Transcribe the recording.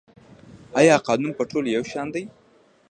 آیا قانون په ټولو یو شان دی؟